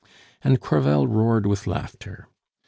] And Crevel roared with laughter.